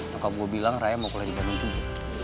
pokoknya gue bilang raya mau kuliah di bandung juga